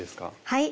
はい！